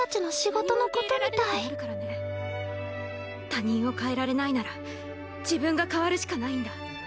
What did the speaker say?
他人を変えられないなら自分が変わるしかないんだ。